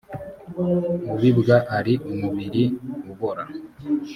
ubibwa ari umubiri ubora